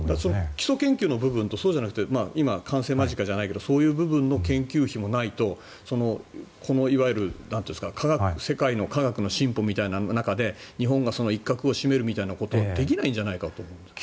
基礎研究の部分とそうじゃなくて今完成間近じゃないけどそういう部分の研究費もないといわゆる世界の科学の進歩みたいな中で日本が一角を占めるみたいなことができないんじゃないかと思うんですが。